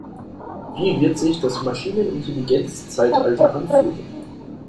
Wie wird sich das Maschinenintelligenzzeitalter anfühlen?